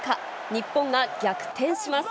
日本が逆転します。